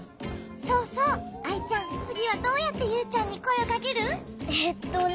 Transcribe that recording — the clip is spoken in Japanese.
そうそうアイちゃんつぎはどうやってユウちゃんにこえをかける？えっとね。